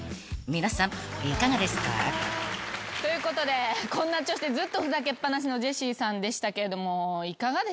皆さんいかがですか？］ということでこんな調子でずっとふざけっぱなしのジェシーさんでしたけれども。